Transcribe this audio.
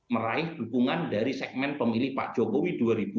meraih dukungan dari segmen pemilih pak jokowi dua ribu dua puluh